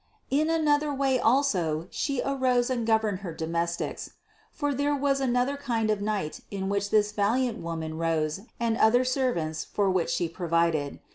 784. In another way also She arose and governed Her Domestics. For there was another kind of night in which this valiant Woman rose and other servants for which She provided.